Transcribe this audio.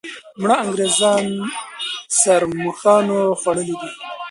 مړه انګریزان ښرموښانو خوړلي دي.